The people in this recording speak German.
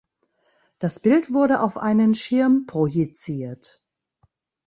Das Bild wurde auf einen Schirm projiziert.